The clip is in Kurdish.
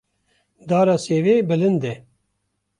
Dara sêvê bilind e.